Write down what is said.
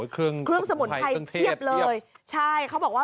เครื่องสมุนไพรเทียบเลย